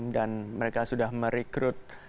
dan mereka sudah merekrut